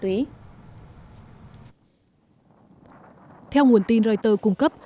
theo nguồn tin reuters cung cấp